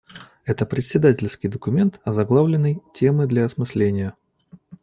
Это председательский документ, озаглавленный "Темы для осмысления".